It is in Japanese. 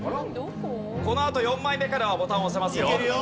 このあと４枚目からはボタン押せますよ。いけるよ！